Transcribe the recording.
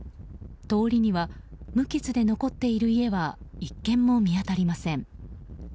通りには無傷で残っている家は１軒も見当たりません。